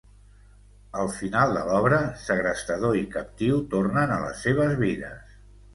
El final de l’obra, segrestador i captiu tornen a les seves vides.